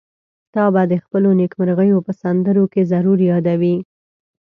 تا به د خپلو نېکمرغيو په سندرو کې ضرور يادوي.